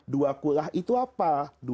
dua kulah itu apa